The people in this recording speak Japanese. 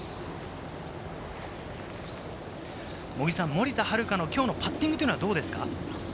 森田遥のきょうのパッティングはどうですか？